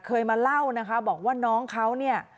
เคยมาเล่านะคะบอกว่าน้องเขาเนี่ย